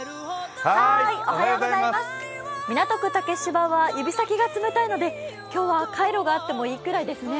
港区竹芝は指先が冷たいので今日はカイロがあってもいいぐらいですね。